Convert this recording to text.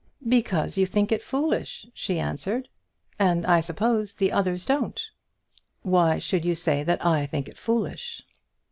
"Because you think it is foolish," she answered, "and I suppose the others don't." "Why should you say that I think it foolish?